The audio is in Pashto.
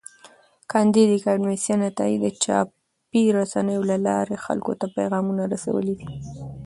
کانديد اکاډميسن عطایي د چاپي رسنیو له لارې خلکو ته پیغامونه رسولي دي.